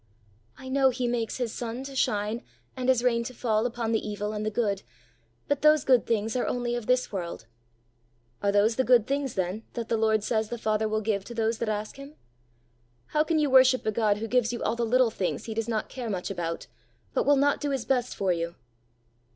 "I know he makes his sun to shine and his rain to fall upon the evil and the good; but those good things are only of this world!" "Are those the good things then that the Lord says the Father will give to those that ask him? How can you worship a God who gives you all the little things he does not care much about, but will not do his best for you?"